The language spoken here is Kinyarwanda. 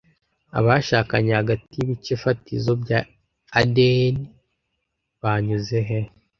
Abashakanye hagati yibice fatizo bya ADN banyuzehe